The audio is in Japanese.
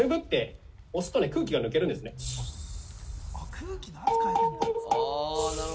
空気の圧、変えてるんだ。